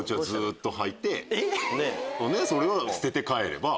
それを捨てて帰れば。